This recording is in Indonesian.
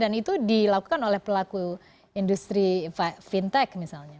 dan itu dilakukan oleh pelaku industri fintech misalnya